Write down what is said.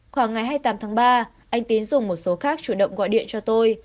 khoảng ngày hai mươi tám tháng ba anh tín dùng một số khác chủ động gọi điện cho tôi